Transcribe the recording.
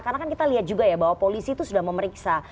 karena kan kita lihat juga ya bahwa polisi itu sudah memeriksa